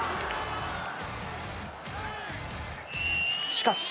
しかし。